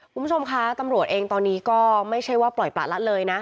คุณผู้ชมคะตำรวจเองตอนนี้ก็ไม่ใช่ว่าปล่อยประละเลยนะ